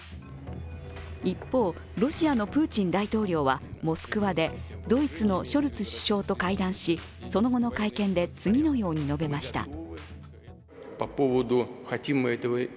一方、ロシアのプーチン大統領はモスクワでドイツのショルツ首相と会談しその後の会見で次のように述べました。